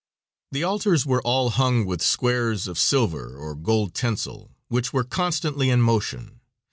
The altars were all hung with squares of silver or gold tinsel, which were constantly in motion.